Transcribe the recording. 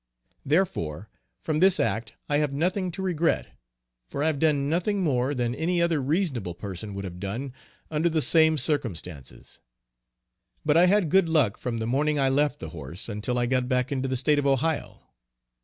Therefore from this act I have nothing to regret, for I have done nothing more than any other reasonable person would have done under the same circumstances. But I had good luck from the morning I left the horse until I got back into the State of Ohio.